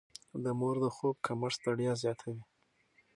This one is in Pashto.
د مور د خوب کمښت ستړيا زياتوي.